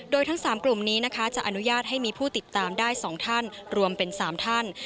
โดยทั้ง๓กลุ่มนี้นะคะจะอนุญาตให้มีผู้ติดตามได้๒ท่านรวมเป็น๓ท่าน